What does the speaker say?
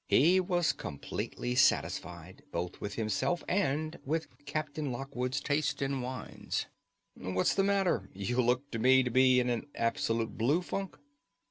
He was completely satisfied, both with himself and with Captain Lockwood's taste in wines. "What's the matter? You look to me to be in an absolute blue funk."